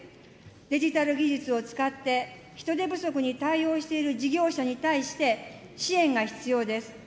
デジタル技術を使って、人手不足に対応している事業者に対して、支援が必要です。